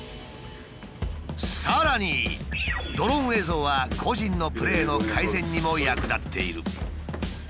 さらにドローン映像は個人のプレーの改善にも役立っている。